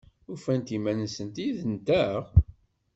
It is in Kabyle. Ufant iman-nsent yid-nteɣ?